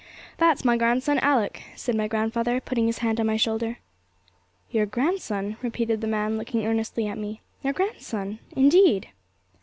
'That's my grandson Alick,' said my grandfather, putting his hand on my shoulder. 'Your grandson,' repeated the man, looking earnestly at me; 'your grandson indeed!'